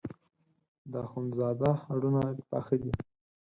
د اخوندزاده هډونه پاخه دي.